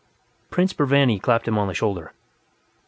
_" Prince Burvanny clapped him on the shoulder.